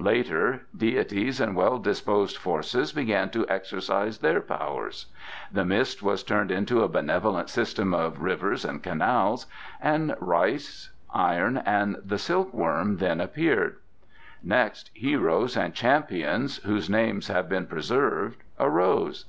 Later, deities and well disposed Forces began to exercise their powers. The mist was turned into a benevolent system of rivers and canals, and iron, rice and the silk worm then appeared. Next, heroes and champions, whose names have been preserved, arose.